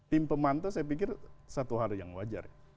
tim pemantau saya pikir satu hal yang wajar ya